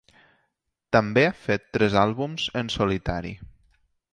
També ha fet tres àlbums en solitari.